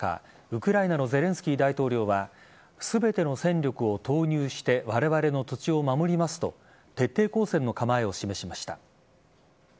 ウクライナのゼレンスキー大統領は全ての戦力を投入してわれわれの土地を守りますと徹底抗戦の構えを示しました。